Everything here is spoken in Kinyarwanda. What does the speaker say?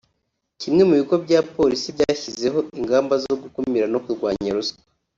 Kimwe mu bigo bya Polisi byashyizeho ingamba zo gukumira no kurwanya ruswa